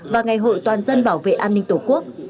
và ngày hội toàn dân bảo vệ an ninh tổ quốc